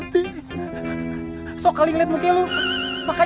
disuruh ke tukang kacang kali